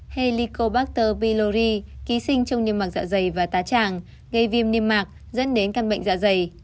helicobacter pylori ký sinh trong niêm mạc dạ dày và tá tràng gây viêm niêm mạc dẫn đến căn bệnh dạ dày